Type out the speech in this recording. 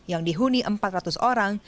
yang dihuni empat ratus orang